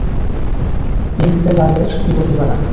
ইম্প্যালারের গতি বাড়ান।